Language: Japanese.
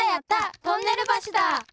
トンネルばしだ！